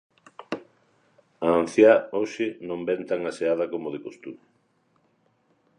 A anciá hoxe non ven tan aseada como de costume.